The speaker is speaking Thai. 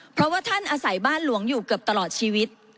เพราะว่าท่านอาศัยบ้านหลวงอยู่เกือบตลอดชีวิต